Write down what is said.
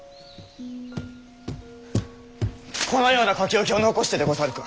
このような書き置きを残してでござるか？